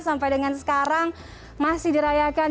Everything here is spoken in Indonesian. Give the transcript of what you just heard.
sampai dengan sekarang masih dirayakan